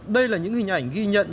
đây là những hình ảnh ghi nhận